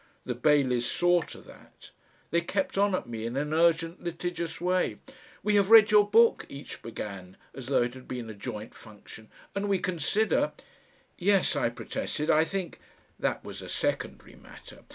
The Baileys saw to that. They kept on at me in an urgent litigious way. "We have read your book," each began as though it had been a joint function. "And we consider " "Yes," I protested, "I think " That was a secondary matter.